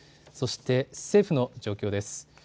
そして政府の状況です。